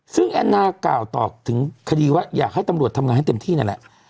ซึ่งแอนนากล่าวต่อถึงคดีว่าอยากให้ตำรวจทำงานให้เต็มที่นั่นแหละ